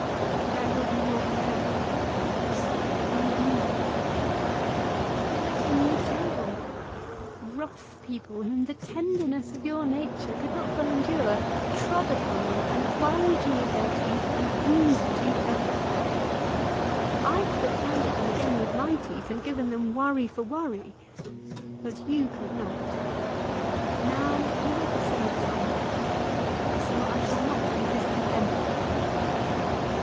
"Where will be your contentment?" "In you. It was making you ill. Rough people, whom the tenderness of your nature could not well endure, trod upon you, and worried you with their teeth and wounded you everywhere. I could have turned at them again with my teeth, and given them worry for worry; but you could not. Now you will be saved from them, and so I shall not be discontented."